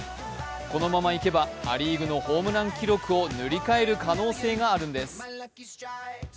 このままいけばア・リーグのホームラン記録を塗り替える可能性があるんです。